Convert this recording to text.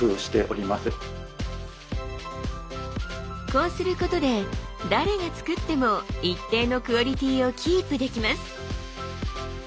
こうすることで誰が作っても一定のクオリティーをキープできます。